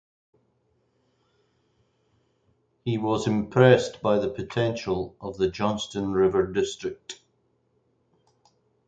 He was impressed by the potential of the Johnstone River district.